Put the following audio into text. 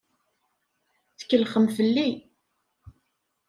Tkellxem fell-i.